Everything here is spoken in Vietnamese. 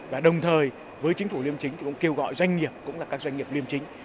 và đồng thời với chính phủ liêm chính thì cũng kêu gọi doanh nghiệp cũng là các doanh nghiệp liêm chính